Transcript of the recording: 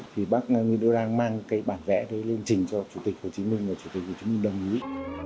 thì bác nguyễn đức đang mang cái bản vẽ lên trình cho chủ tịch hồ chí minh và chủ tịch hồ chí minh đồng ý